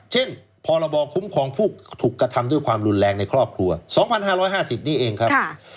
เช่นพรบคุ้มครองผู้ถูกกระทำด้วยความรุนแรงในครอบครัว๒๕๕๐นี้เองครับ